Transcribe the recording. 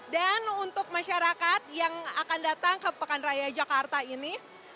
dan untuk masyarakat yang akan datang ke pekaraya jakarta ini